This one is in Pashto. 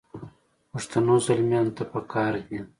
پښتنو زلمیانو ته پکار دي.